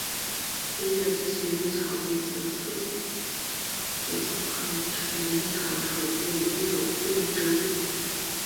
匙叶齿缘草为紫草科齿缘草属的植物。